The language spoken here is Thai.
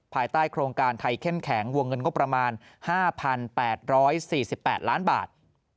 ภายใต้โครงการไทยเข้มแข็งวงเงินงบประมาณ๕๘๔๘ล้านบาท